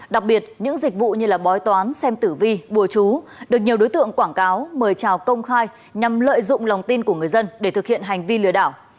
đặc biệt những dịch vụ như bói toán xem tử vi bùa chú được nhiều đối tượng quảng cáo mời trào công khai nhằm lợi dụng lòng tin của người dân để thực hiện hành vi lừa đảo